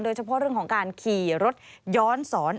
โดยเฉพาะเรื่องของการขี่รถย้อนสอน